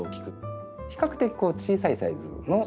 比較的小さいサイズの品種です。